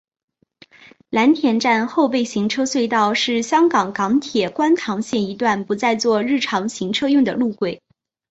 蓝田站后备行车隧道是香港港铁观塘线一段不再作日常行车用的路轨。